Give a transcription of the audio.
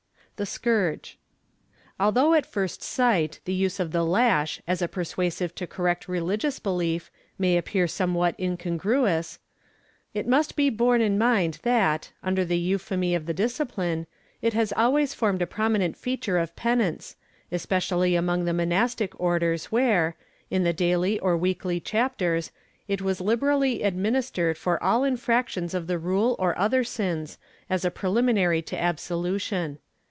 THE SCOURGE. Although at first sight the use of the lash, as a persuasive to correct rehgious behef, may appear somewhat incongruous, it must be borne in mind that, under the euphemy of the discipline, it has always formed a prominent feature of penance, especially among the monastic orders where, in the daily or weekly chapters, it was Uberally administered for all infractions of the Rule or other sins, as a preliminary to absolution.